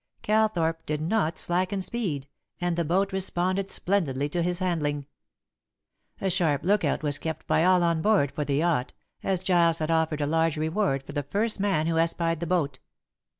Calthorpe did not slacken speed, and the boat responded splendidly to his handling. A sharp lookout was kept by all on board for the yacht, as Giles had offered a large reward for the first man who espied the boat.